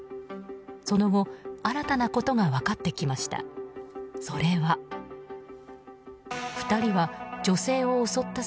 その後、新たなことが分かってきました。